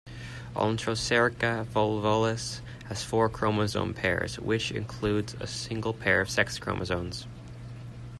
"Onchocerca volvulus" has four chromosome pairs, which includes a single pair of sex chromosomes.